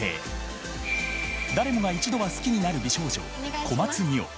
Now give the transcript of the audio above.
誰もが一度は好きになる美少女小松澪。